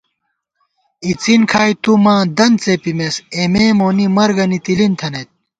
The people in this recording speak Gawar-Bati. اِڅن کھائی تُو ماں دنت څېپِمېس، اېمےمونی مرگَنی تِلِن تھنَئیت